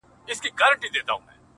په هره څانګه هر پاڼه کي ویشتلی چنار-